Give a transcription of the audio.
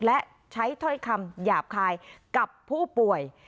และใช้ถ้อยคำหยาบคายกับผู้ป่วย